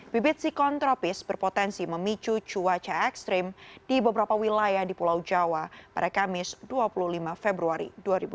bibit siklon tropis berpotensi memicu cuaca ekstrim di beberapa wilayah di pulau jawa pada kamis dua puluh lima februari dua ribu dua puluh